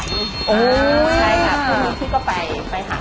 ใช่ค่ะพรุ่งนี้พี่ก็ไปหา